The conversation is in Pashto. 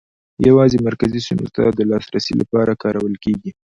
یوازې مرکزي سیمو ته د لاسرسي لپاره کارول کېږي.